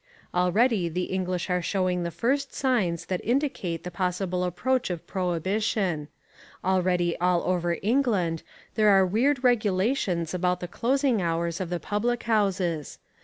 Already the English are showing the first signs that indicate the possible approach of prohibition. Already all over England there are weird regulations about the closing hours of the public houses.